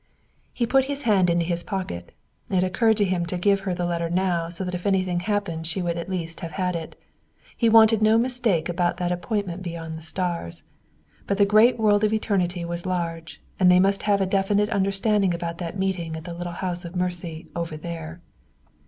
He put his hand into his pocket. It occurred to him to give her the letter now so that if anything happened she would at least have had it. He wanted no mistake about that appointment beyond the stars. But the great world of eternity was very large, and they must have a definite understanding about that meeting at the little house of mercy Over There.